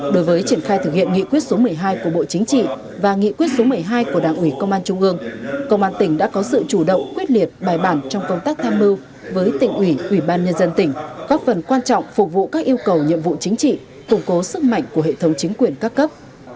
đối với triển khai thực hiện nghị quyết số một mươi hai của bộ chính trị và nghị quyết số một mươi hai của đảng ủy công an trung ương công an tỉnh đã có sự chủ động quyết liệt bài bản trong công tác tham mưu với tỉnh ủy ủy ban nhân dân tỉnh góp phần quan trọng phục vụ các yêu cầu nhiệm vụ chính trị củng cố sức mạnh của hệ thống chính quyền các cấp